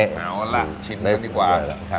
เอาล่ะชิ้นกันดีกว่า